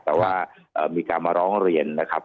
ท่านรองโฆษกครับ